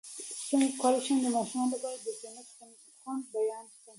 څنګه کولی شم د ماشومانو لپاره د جنت د خوند بیان کړم